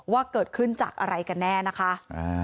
ว่าเกิดขึ้นจากอะไรกันแน่นะคะ